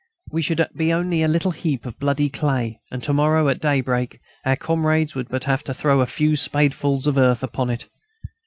We should be only a little heap of bloody clay, and to morrow at daybreak our comrades would but have to throw a few spadefuls of earth upon it.